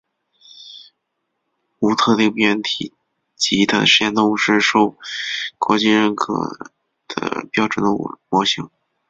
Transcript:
无特定病原体级的实验动物是受国际认可的标准动物模型。